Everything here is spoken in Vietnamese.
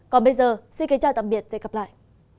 còn bây giờ xin kính chào tạm biệt và hẹn gặp lại